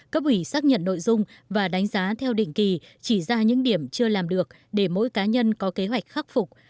cấp ủy xác nhận nội dung và đánh giá theo định kỳ chỉ ra những điểm chưa làm được để mỗi cá nhân có kế hoạch khắc phục